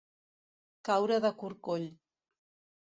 Caure de corcoll.